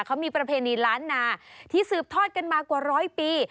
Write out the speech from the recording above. เขามีประเพณีล้านนาที่สืบทอดกันมากว่าร้อยปี